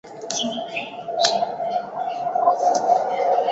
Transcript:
米佐拉姆邦是位于印度东北部的一个邦。